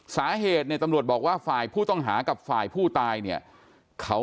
สาเหตุเนี่ยตำรวจบอกว่าฝ่ายผู้ต้องหากับฝ่ายผู้ตายเนี่ยเขา